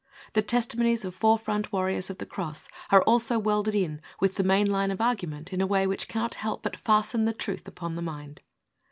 The testimonies of fore front warriors of the Cross are also welded in with the main line of argument in a way which cannot help but fasten the truth upon the mind.